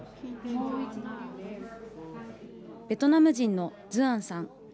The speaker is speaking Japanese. ベトナム人のズアンさん。